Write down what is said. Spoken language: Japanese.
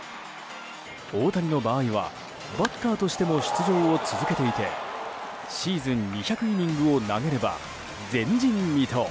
大谷の場合は、バッターとしても出場を続けていてシーズン２００イニングを投げれば、前人未到。